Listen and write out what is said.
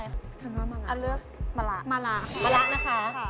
ฉันว่ามะลาอันเลือกมะลามะลามะลานะคะค่ะ